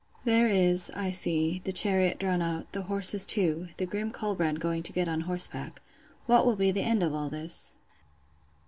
There is, I see, the chariot drawn out, the horses too, the grim Colbrand going to get on horseback. What will be the end of all this?